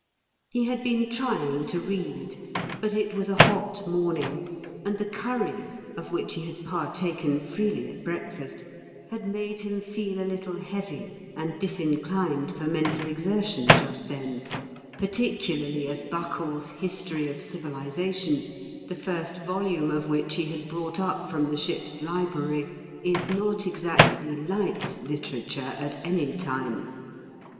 He had been trying to read ; but it was a hot morning, and the curry, of which he had partaken freely at breakfast, had made him feel a little heavy and disinclined for mental exertion just then, particularly as Buckle's History of Civiliza tion, the first volume of which he had brought ^Tourmalin's hne up from the ship's library, is not exactly light literature at any time.